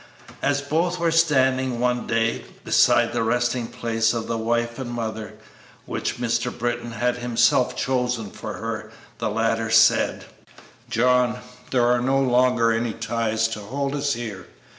As both were standing one day beside the resting place of the wife and mother, which Mr. Britton had himself chosen for her, the latter said, "John, there are no longer any ties to hold us here.